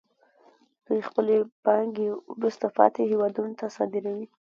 دوی خپلې پانګې وروسته پاتې هېوادونو ته صادروي